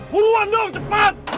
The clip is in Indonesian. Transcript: buruan dong cepet